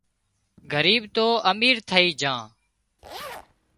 ڳريٻ تو امير ٿئي جھان